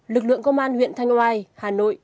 lực lượng công an huyện thanh oai hà nội